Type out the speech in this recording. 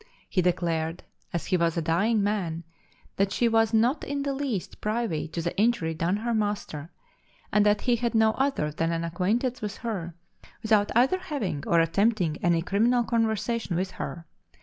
He declared, as he was a dying man, that she was not in the least privy to the injury done her master, and that he had no other than an acquaintance with her, without either having, or attempting any criminal conversation with her.